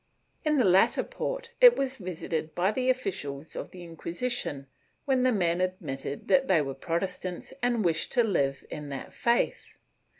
In the latter port it was visited by the officials of the Inquisition, when the men admitted that they were Protestants and wished to live in that faith.